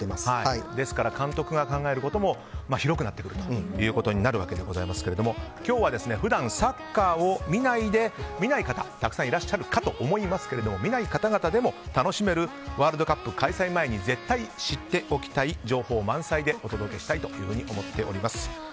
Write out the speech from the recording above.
ですから、監督が考えることも広くなってくるということになるわけでございますが今日は普段、サッカーを見ない方たくさんいらっしゃるかと思いますが見ない方々でも楽しめるワールドカップ開催前に絶対知っておきたい情報満載でお届けしたいと思っております。